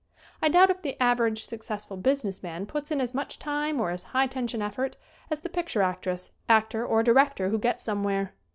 I doubt if the av erage successful business man puts in as much time or as high tension effort as the picture actress, actor or director who gets somewhere.